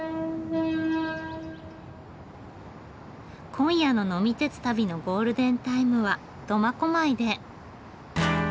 今夜の呑み鉄旅のゴールデンタイムは苫小牧で。